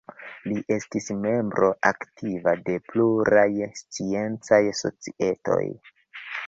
Li estis membro aktiva de pluraj sciencaj societoj.